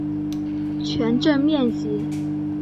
全镇面积。